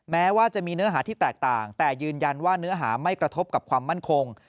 แม้ว่าจะมีเนื้อหาที่แตกต่างแต่ยืนยันว่าเนื้อหาไม่กระทบกับความมั่นคง